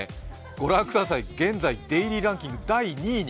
ご覧ください、現在デイリーランキング第２位に。